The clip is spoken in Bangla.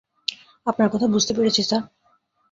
আপনার কথা বুঝতে পেরেছি, স্যার।